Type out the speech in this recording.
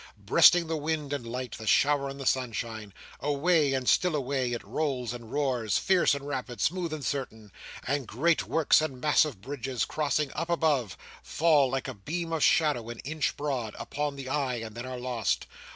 Breasting the wind and light, the shower and sunshine, away, and still away, it rolls and roars, fierce and rapid, smooth and certain, and great works and massive bridges crossing up above, fall like a beam of shadow an inch broad, upon the eye, and then are lost.